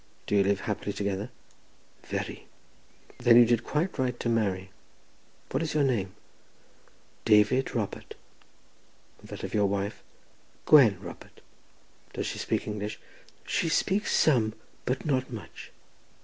"Do you live happily together?" "Very." "Then you did quite right to marry. What is your name?" "David Robert." "And that of your wife?" "Gwen Robert." "Does she speak English?" "She speaks some, but not much."